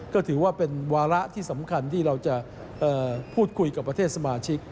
ก็ถือว่าเป็นวาระที่สำคัญที่เราจะพูดคุยกับประเทศสมาชิก